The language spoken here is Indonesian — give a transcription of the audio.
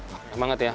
wah keren banget ya